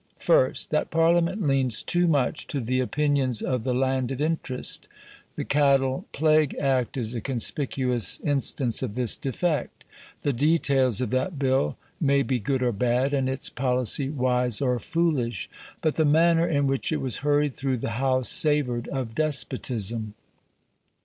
First. That Parliament leans too much to the opinions of the landed interest. The Cattle Plague Act is a conspicuous instance of this defect. The details of that bill may be good or bad, and its policy wise or foolish. But the manner in which it was hurried through the House savoured of despotism.